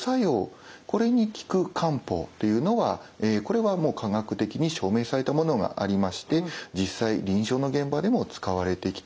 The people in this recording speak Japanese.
これに効く漢方というのはこれはもう科学的に証明されたものがありまして実際臨床の現場でも使われてきています。